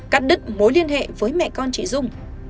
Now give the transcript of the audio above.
cắt đứt mối liên hệ với mẹ con